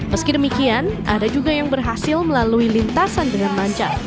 meski demikian ada juga yang berhasil melalui lintasan dengan lancar